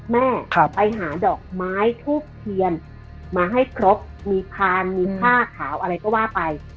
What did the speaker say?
แม่ไปหาดอกไม้ทูบเทียนมาให้ครบมีพานมีผ้าขาวอะไรก็ว่าไป